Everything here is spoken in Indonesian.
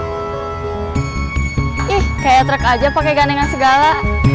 ih kayak truk aja pakai gandengan segala